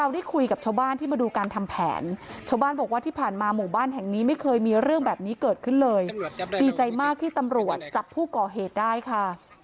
ดีใจมากที่ตำรวจจับผู้ก่อเหตุได้ค่ะ